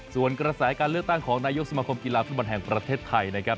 ส่วนกระแสการเลือกตั้งของนายกสมาคมกีฬาฟุตบอลแห่งประเทศไทยนะครับ